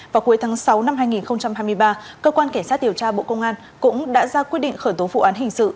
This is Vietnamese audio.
vào cuối tháng sáu năm hai nghìn hai mươi ba cơ quan cảnh sát điều tra bộ công an cũng đã ra quyết định khởi tố vụ án hình sự